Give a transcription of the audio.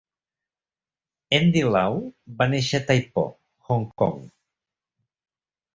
Andy Lau va néixer a Tai Po, Hong Kong.